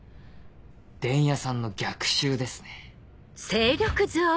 伝弥さんの逆襲ですね。